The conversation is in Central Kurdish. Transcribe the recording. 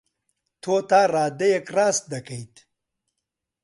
تۆ تا ڕادەیەک ڕاست دەکەیت.